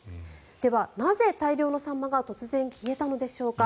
では、なぜ大量のサンマが突然消えたのでしょうか。